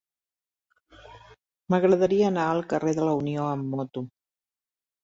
M'agradaria anar al carrer de la Unió amb moto.